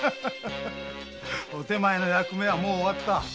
お手前の役目はもう終わった。